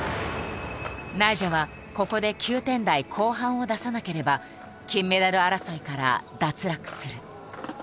ナイジャはここで９点台後半を出さなければ金メダル争いから脱落する。